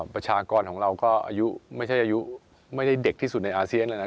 ประชากรของเราก็ไม่ได้เด็กที่สุดในอาเซียนแล้วนะ